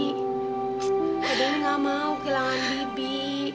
teh dewi gak mau kehilangan bibi